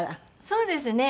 そうですね。